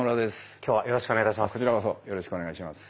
今日はよろしくお願いいたします。